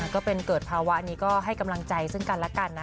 ก็เป็นเกิดภาวะนี้ก็ให้กำลังใจซึ่งกันแล้วกันนะคะ